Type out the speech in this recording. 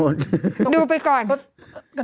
ดูไปก่อน